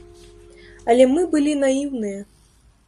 Але мы былі наіўныя.